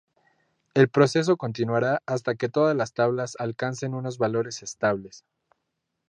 El proceso continuará hasta que todas las tablas alcancen unos valores estables.